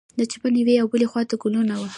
د چمن یوې او بلې خوا ته ګلونه وه.